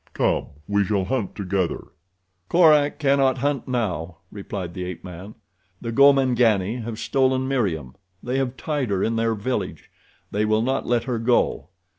Come, we shall hunt together." "Korak cannot hunt now," replied the ape man. "The Gomangani have stolen Meriem. They have tied her in their village. They will not let her go.